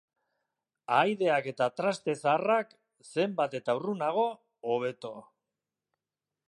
Ahaideak eta traste zaharrak, zenbat eta urrunago hobeto.